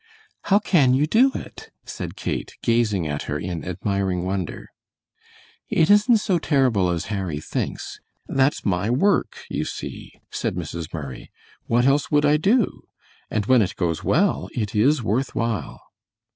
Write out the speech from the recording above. "How can you do it?" said Kate, gazing at her in admiring wonder. "It isn't so terrible as Harry thinks. That's my work, you see," said Mrs. Murray; "what else would I do? And when it goes well it is worth while."